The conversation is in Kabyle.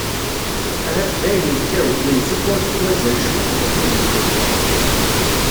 Ahat dayen yekkaw, yenzef ur as-d-mazal cwiṭ n ufud i tnekra.